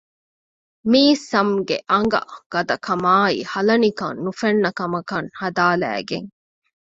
މީސަމް ގެ އަނގަ ގަދަކަމާއި ހަލަނިކަން ނުފެންނަ ކަމަކަށް ހަދާލައިގެން